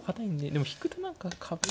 でも引くと何か壁。